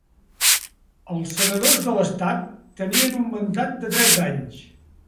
Els senadors de l'estat tenien un mandat de tres anys.